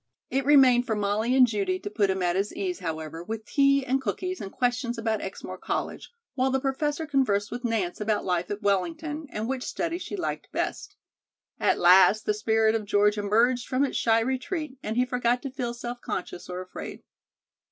It remained for Molly and Judy to put him at his ease, however, with tea and cookies and questions about Exmoor College, while the Professor conversed with Nance about life at Wellington, and which study she liked best. At last the spirit of George emerged from its shy retreat, and he forgot to feel self conscious or afraid.